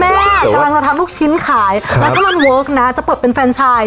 แม่กำลังจะทำลูกชิ้นขายแล้วถ้ามันเวิร์คนะจะเปิดเป็นแฟนชาย